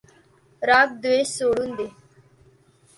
राग द्वेष सोडून दे.